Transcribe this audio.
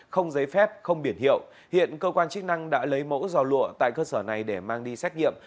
không giấy phép không biển hiệu hiện cơ quan chức năng đã lấy mẫu giò lụa tại cơ sở này để mang đi xét nghiệm